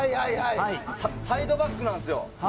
サイドバックなんですよ。